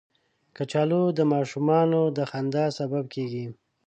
کچالو د ماشومانو د خندا سبب کېږي